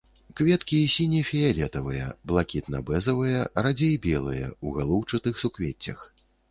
Кветкі сіне-фіялетавыя, блакітна-бэзавыя, радзей белыя, у галоўчатых суквеццях.